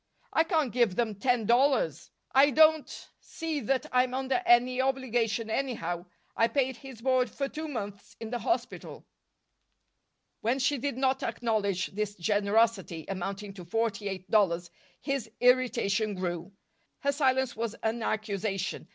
"I can't give them ten dollars. I don't see that I'm under any obligation, anyhow. I paid his board for two months in the hospital." When she did not acknowledge this generosity, amounting to forty eight dollars, his irritation grew. Her silence was an accusation.